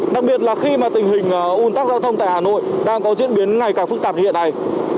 đặc biệt là khi mà tình hình ủn tắc giao thông tại hà nội đang có diễn biến ngày càng phức tạp như hiện nay